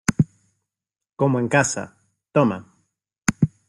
como en casa. toma .